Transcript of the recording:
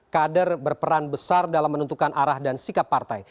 kader berperan besar dalam menentukan arah dan sikap partai